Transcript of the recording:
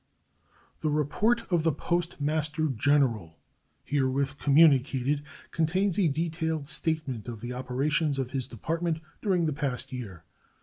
The report of the Postmaster General herewith communicated contains a detailed statement of the operations of his Department during the pass year.